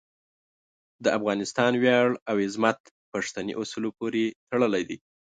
د افغانستان ویاړ او عظمت پښتني اصولو پورې تړلی دی.